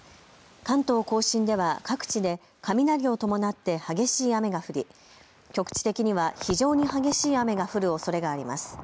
関東甲信では各地で雷を伴って激しい雨が降り局地的には非常に激しい雨が降るおそれがあります。